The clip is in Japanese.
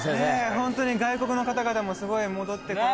ホントに外国の方々もすごい戻ってこられた感じで。